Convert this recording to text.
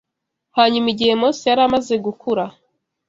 Hanyuma igihe Mose yari amaze gukura